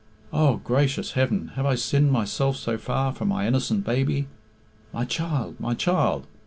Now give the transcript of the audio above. O gracious heaven, have I sinned myself so far from my innocent baby! My child, my child!